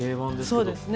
そうですね。